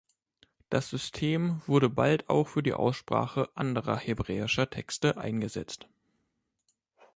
Das System wurde bald auch für die Aussprache anderer hebräischer Texte eingesetzt.